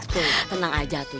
tuh tenang aja tuh